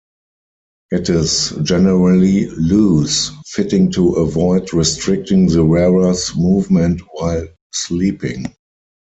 It is generally loose-fitting to avoid restricting the wearer's movement while sleeping.